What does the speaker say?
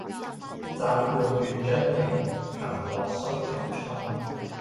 暫伴月將影，行樂須及春